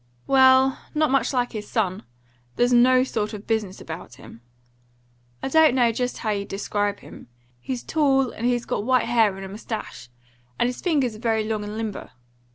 "Well, not much like his son. There's no sort of business about him. I don't know just how you'd describe him. He's tall; and he's got white hair and a moustache; and his fingers are very long and limber.